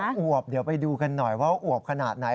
อวบเดี๋ยวไปดูกันหน่อยว่าอวบขนาดไหน